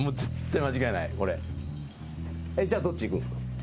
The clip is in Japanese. ええ？じゃあどっち行くんですか？